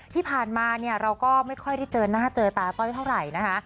ที่ผ่านมาเนี่ยเราก็ไม่ค่อยได้เจอหน้าเจอตาต้อยเท่าไหร่นะคะ